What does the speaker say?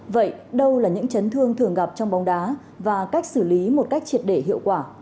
vậy đâu là những chấn thương thường gặp trong bóng đá và cách xử lý một cách triệt để hiệu quả